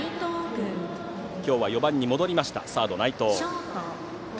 今日は４番に戻りましたサード、内藤。